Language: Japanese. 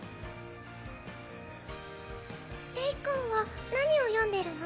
レイ君は何を読んでるの？